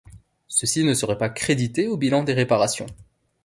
Ceci ne serait pas crédité au bilan des réparations.